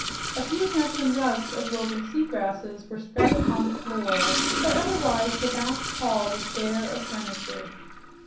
A few handsome rugs of woven sea grasses were spread upon the floor, but otherwise the vast hall was bare of furniture.